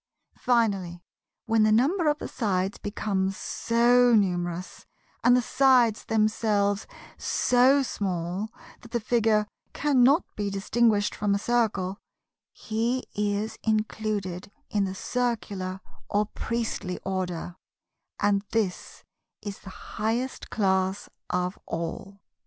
Finally when the number of the sides becomes so numerous, and the sides themselves so small, that the figure cannot be distinguished from a circle, he is included in the Circular or Priestly order; and this is the highest class of all.